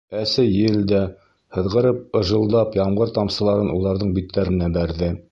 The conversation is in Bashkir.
Әсе ел дә, һыҙғырып, ыжылдап, ямғыр тамсыларын уларҙың биттәренә бәрҙе.